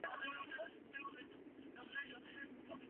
wameingia katika sakata la moto ule aliouwasha kijana huyo